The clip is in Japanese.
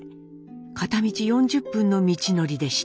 片道４０分の道のりでした。